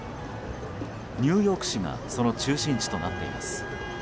ニューヨーク市がその中心地となっています。